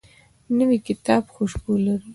نوی کتاب خوشبو لري